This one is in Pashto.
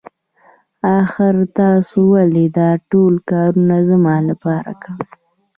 آخر تاسو ولې دا ټول کارونه زما لپاره کوئ.